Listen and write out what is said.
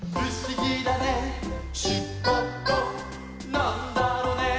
「なんだろね」